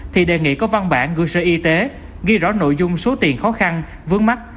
thì đề nghị có văn bản gửi sở y tế ghi rõ nội dung số tiền khó khăn vướng mắt